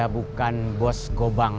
bukan bos kamu juga